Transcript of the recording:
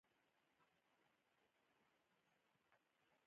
افغانستان په اوبزین معدنونه غني دی.